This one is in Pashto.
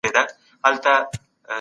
د صنعتي انقلاب تاریخ مطالعه کړئ.